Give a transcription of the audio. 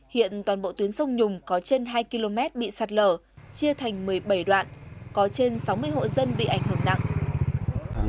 hiện toàn bộ tuyến sông nhùng có trên hai km bị sạt lở chia thành một mươi bảy đoạn có trên sáu mươi hộ dân bị ảnh hưởng nặng